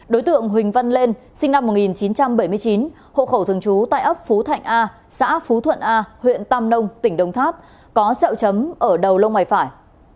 đối tượng huỳnh văn lên sinh năm một nghìn chín trăm bảy mươi chín hộ khẩu thường trú tại ấp phú thạnh a xã phú thuận a huyện tam nông tỉnh đồng tháp có xẹo chấm ở đầu lông mày phải